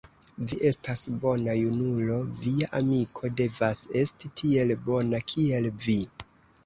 Vi estas bona junulo; via amiko devas esti tiel bona, kiel vi.